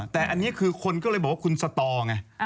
แต่อันนี้คือคนก็เลยบอกว่าคุณสตอไง